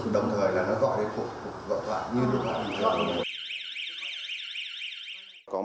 đồng thời là nó gọi đến cục cảnh sát phòng cháy chữa cháy như lúc này